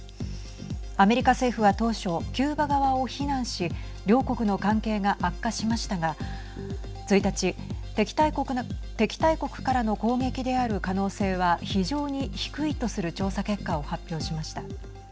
アメリカ政府は当初キューバ側を非難し両国の関係が悪化しましたが１日、敵対国からの攻撃である可能性は非常に低いとする調査結果を発表しました。